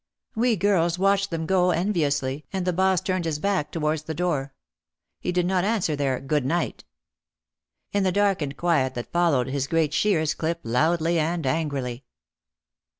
We girls watched them go enviously and the boss turned his back towards the door. He did not answer their "Good night." In the dark and quiet that followed his great shears clipped loudly and angrily.